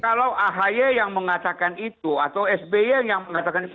kalau ahy yang mengatakan itu atau sby yang mengatakan itu